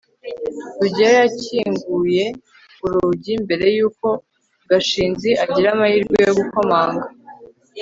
rugeyo yakinguye urugi mbere yuko gashinzi agira amahirwe yo gukomanga